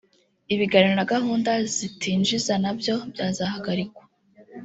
ibiganiro na gahunda zitinjiza nabyo byazahagarikwa